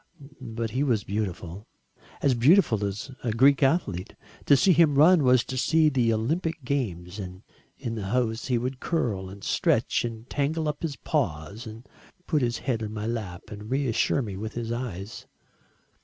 But he was beautiful, as beautiful as a Greek athlete to see him run was to see the Olympic games, and in the house he would curl and stretch and tangle up his paws, and put his head on my lap and reassure me with his eyes.